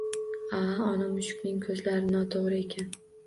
Aaaa... Ona mushukning ko'zlari noto'g'ri ekan.